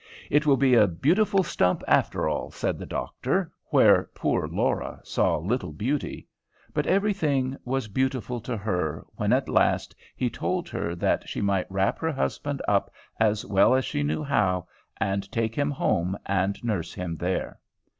"It will be a beautiful stump after all," said the doctor, where poor Laura saw little beauty. But every thing was beautiful to her, when at last he told her that she might wrap her husband up as well as she knew how, and take him home and nurse him there.